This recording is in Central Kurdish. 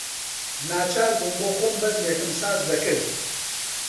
ناچار بووم بۆخۆم بەزمێکم ساز دەکرد